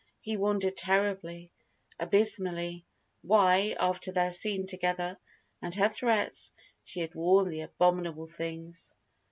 He wondered terribly, abysmally, why, after their scene together, and her threats, she had worn the abominable things.